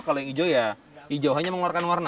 kalau yang hijau ya hijau hanya mengeluarkan warna